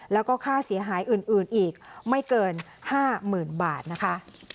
แล้วก็ค่าเสียหายอื่นอีกไม่เกิน๕๐๐๐๐บาทนะคะ